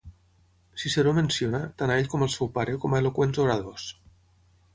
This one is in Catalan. Ciceró menciona, tant a ell com al seu pare com a eloqüents oradors.